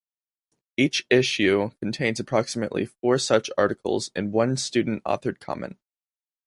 Each issue contains approximately four such articles and one student-authored comment.